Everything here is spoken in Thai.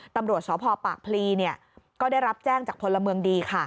ตำรวจสพปากพลีก็ได้รับแจ้งจากพลเมืองดีค่ะ